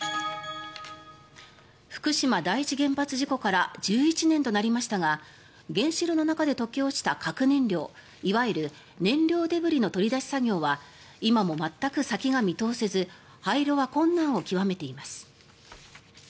福島第一原発事故から１１年となりましたが原子炉の中で溶け落ちた核燃料いわゆる燃料デブリの取り出し作業は今も全く先が見通せず廃炉は困難を極めています。